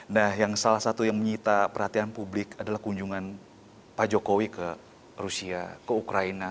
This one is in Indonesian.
nah yang salah satu yang menyita perhatian publik adalah kunjungan pak jokowi ke rusia ke ukraina